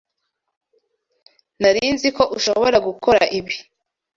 Nari nzi ko ushobora gukora ibi.